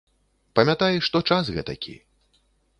Памятай, што час гэтакі.